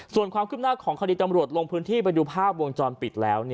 ส่วนความคืบหน้าของคดีตำรวจลงพื้นที่ไปดูภาพวงจรปิดแล้ว